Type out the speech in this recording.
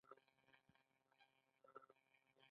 دنیا د کروندې ځای دی